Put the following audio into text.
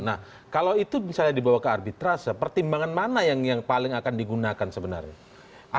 nah kalau itu misalnya dibawa ke arbitrase pertimbangan mana yang paling akan digunakan sebenarnya